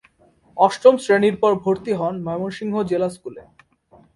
অষ্টম শ্রেণীর পর ভর্তি হন ময়মনসিংহ জেলা স্কুলে।